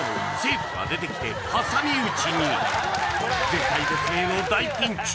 絶体絶命の大ピンチ！